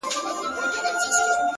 • سپوږمۍ په لپه کي هغې په تماسه راوړې؛